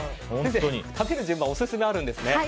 食べる順番にはオススメあるんですよね。